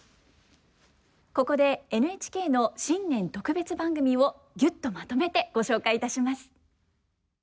ここでＮＨＫの新年特別番組をギュッとまとめてご紹介いたします。